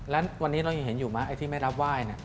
แล้ววันนี้เรายังเห็นอยู่ไหมไอ้ที่ไม่รับไหว้